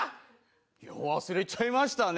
いや忘れちゃいましたね。